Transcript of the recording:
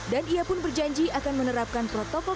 dan ia pun berjanji akan menerapkan protokol